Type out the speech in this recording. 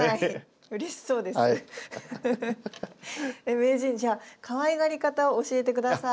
名人じゃあかわいがり方教えて下さい。